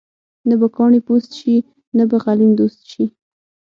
نه به کاڼې پوست شي، نه به غلیم دوست شي.